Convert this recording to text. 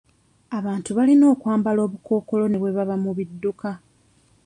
Abantu balina okwambala obukookolo ne bwe baba mu bidduka.